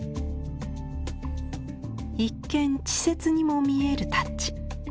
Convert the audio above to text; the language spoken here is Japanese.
一見稚拙にも見えるタッチ。